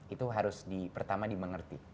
itu harus pertama dimengerti